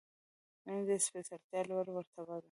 • مینه د سپېڅلتیا لوړه مرتبه ده.